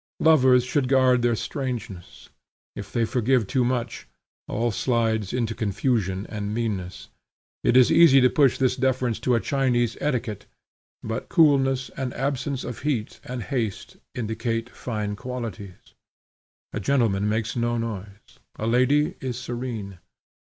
Lovers Should guard their strangeness. If they forgive too much, all slides into confusion and meanness. It is easy to push this deference to a Chinese etiquette; but coolness and absence of heat and haste indicate fine qualities. A gentleman makes no noise; a lady is serene.